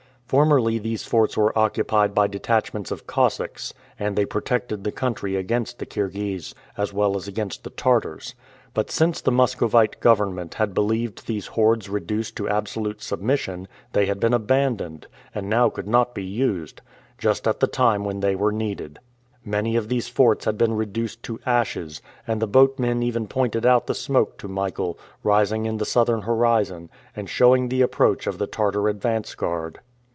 Formerly these forts were occupied by detachments of Cossacks, and they protected the country against the Kirghese, as well as against the Tartars. But since the Muscovite Government had believed these hordes reduced to absolute submission, they had been abandoned, and now could not be used; just at the time when they were needed. Many of these forts had been reduced to ashes; and the boatmen even pointed out the smoke to Michael, rising in the southern horizon, and showing the approach of the Tartar advance guard.